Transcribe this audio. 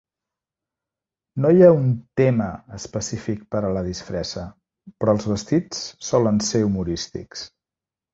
No hi ha un "tema" específic per a la disfressa, però els vestits solen ser humorístics.